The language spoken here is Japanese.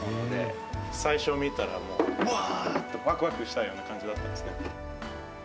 最初見たらもう、わーっ！と、わくわくしたような感じだったですけど。